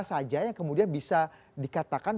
saja yang kemudian bisa dikatakan